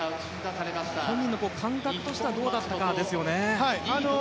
本人の感覚としてはどうだったかですね。